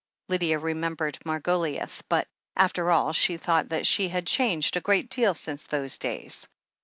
Lydia remembered Margoliouth, but, after all, she thought that she had changed a great deal since those days.